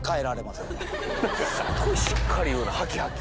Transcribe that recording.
すごいしっかり言うなハキハキ。